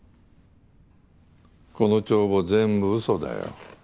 この帳簿全部うそだよ。